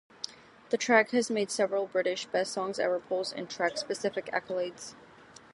The track has made several British "Best songs ever" polls and track specific accolades.